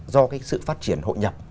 do cái sự phát triển hội nhập